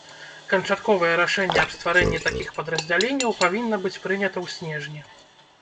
Канчатковае рашэнне аб стварэнні такіх падраздзяленняў павінна быць прынята ў снежні.